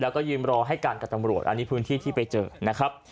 แล้วก็ยืนรอให้กันกับตำรวจอันนี้พื้นที่ที่ไปเจอนะครับ